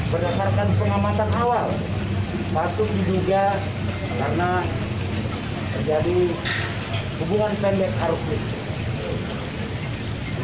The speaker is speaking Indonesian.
berdasarkan pengamatan awal batuk diduga karena terjadi hubungan pendek arus listrik